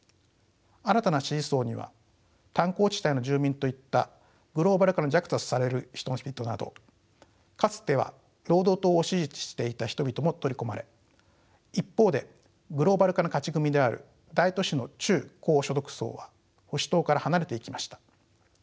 新たな支持層には炭鉱地帯の住民といったグローバル化の弱者とされる人々などかつては労働党を支持していた人々も取り込まれ一方でグローバル化の勝ち組である大都市の中高所得層は保守党から離れていきました。